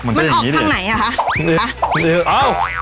มันออกทางไหนอ่ะคะ